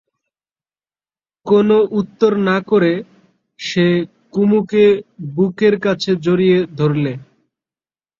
কোনো উত্তর না করে সে কুমুকে বুকের কাছে জড়িয়ে ধরলে।